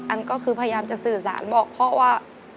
อันก็คือพยายามจะสื่อสารบอกพ่อว่า